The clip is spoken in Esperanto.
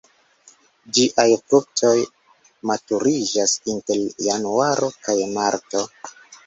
Ĝiaj fruktoj maturiĝas inter januaro kaj marto.